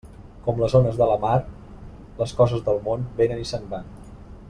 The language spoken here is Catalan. Com les ones de la mar, les coses del món vénen i se'n van.